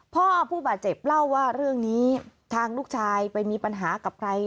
พ่อผู้บาดเจ็บเล่าว่าเรื่องนี้ทางลูกชายไปมีปัญหากับใคร